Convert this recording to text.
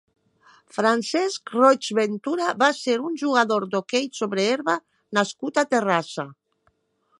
Francesc Roig Ventura va ser un jugador d'hoquei sobre herba nascut a Terrassa.